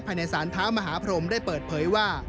ภายในสารเท้ามหาพรมได้เปิดเผยว่า